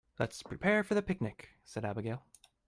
"Let's prepare for the picnic!", said Abigail.